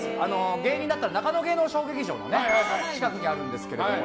芸人だったらなかの芸能小劇場の近くにあるんですけど。